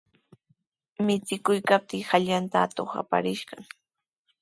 Michikuykaptinshi ashkallanta atuq apaskirqan.